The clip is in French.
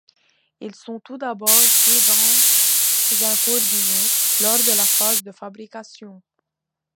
Ils sont tout d'abord cuits dans un court-bouillon lors de la phase de fabrication.